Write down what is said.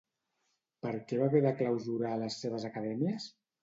Per què va haver de clausurar les seves acadèmies?